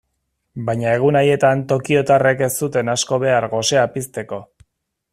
Baina egun haietan tokiotarrek ez zuten asko behar gosea pizteko.